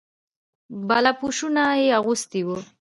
بالاپوشونه یې اغوستي وو.